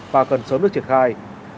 và cần sớm được triển khai